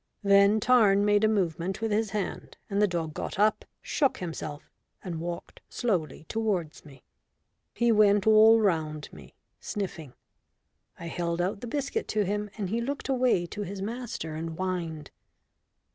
Then Tarn made a movement with his hand, and the dog got up, shook himself, and walked slowly towards me. He went all round me, sniffing. I held out the biscuit to him, and he looked away to his master and whined.